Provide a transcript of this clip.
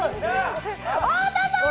太田さーん！